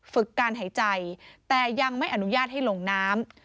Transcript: ฝึกการหายใจแต่ยังไม่อนุญาตให้ลงน้ำ